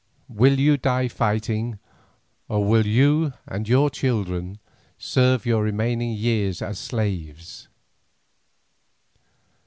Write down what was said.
Will you die fighting, or will you and your children serve your remaining years as slaves?"